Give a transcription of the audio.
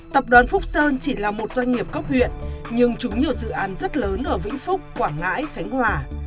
tập đoàn phúc sơn chỉ là một doanh nghiệp cấp huyện nhưng chúng nhiều dự án rất lớn ở vĩnh phúc quảng ngãi khánh hòa